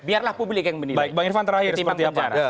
baik bang irvan terakhir seperti apa